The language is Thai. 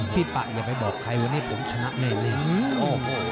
ปะอย่าไปบอกใครวันนี้ผมชนะแน่เลย